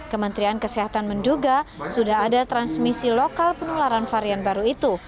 kementerian kesehatan menduga sudah ada transmisi lokal penularan varian baru itu